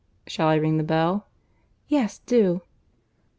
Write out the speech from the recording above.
"Shall I ring the bell?" "Yes, do."